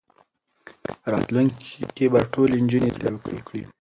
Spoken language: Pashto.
راتلونکي کې به ټولې نجونې زدهکړې وکړي.